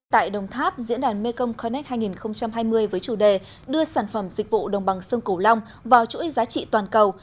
tại đồng tháp diễn đàn mekong connect hai nghìn hai mươi với chủ đề đưa sản phẩm dịch vụ đồng bằng sông cửu long vào chuỗi giá trị toàn cầu